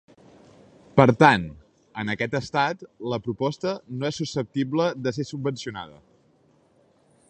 Per tant, en aquest estat la proposta no és susceptible de ser subvencionada.